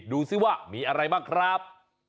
ดูสิว่ามีอะไรบ้างครับ